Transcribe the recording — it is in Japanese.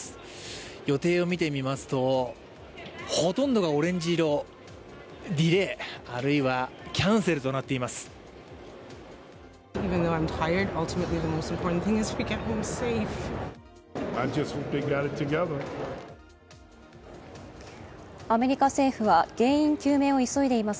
予定を見てみますとほとんどがオレンジ色ディレイあるいはキャンセルとなっています。